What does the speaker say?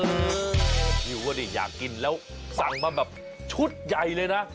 พี่หูว่านี่อยากกินแล้วสั่งมาแบบชุดใหญ่เลยนะ